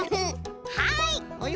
はい！